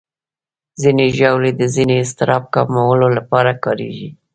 ځینې ژاولې د ذهني اضطراب کمولو لپاره کارېږي.